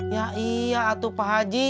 ya iya atau pak haji